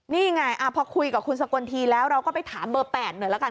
นี่ไงพอคุยกับคุณสกลทีแล้วเราก็ไปถามเบอร์๘หน่อยละกัน